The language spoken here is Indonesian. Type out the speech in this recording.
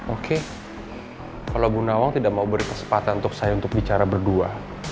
oke kalau bu nawang tidak mau beri kesempatan untuk saya untuk bicara berdua